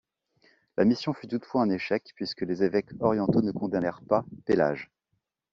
La mission fut toutefois un échec, puisque les évêques orientaux ne condamnèrent pas Pélage.